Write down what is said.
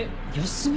休み？